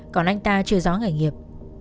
còn anh ta chưa rõ nghề nghiệp